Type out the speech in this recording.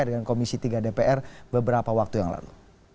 dan komisi tiga dpr beberapa waktu yang lalu